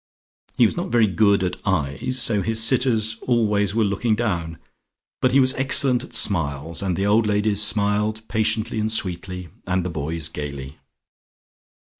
He was not very good at eyes, so his sitters always were looking down, but he was excellent at smiles, and the old ladies smiled patiently and sweetly, and the boys gaily.